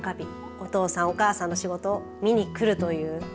お父さん、お母さんの仕事を見に来るという。